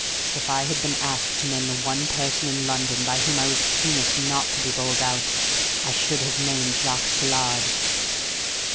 If I had been asked to name the one person in London by whom I was keenest not to be bowled out, I should have named Jacques Saillard."